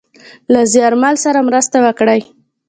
له زیارمل سره مرسته وکړﺉ .